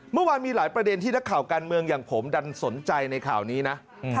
เมื่อวานมีหลายประเด็นที่นักข่าวการเมืองอย่างผมดันสนใจในข่าวนี้นะ